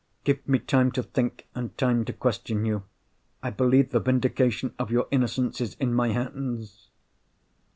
Give me time to think, and time to question you. I believe the vindication of your innocence is in my hands!"